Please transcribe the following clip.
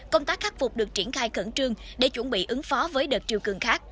công tác khắc phục được triển khai khẩn trương để chuẩn bị ứng phó với đợt triều cường khác